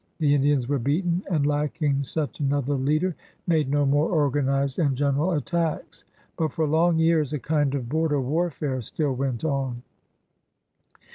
The In dians were beaten, and, lacking such another leader, made no more organized and general attacks. 140 PIONEERS OP THE OLD SOXJTH But for long years a kind of border warfare stiO went on.